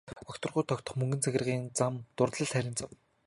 Огторгуйд тогтох мөнгөн цагирган зам дурлал хайрын зам.